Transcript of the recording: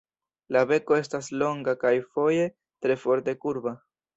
La beko estas longa kaj foje tre forte kurba.